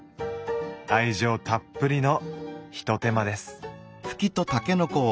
愛情たっぷりのひと手間です。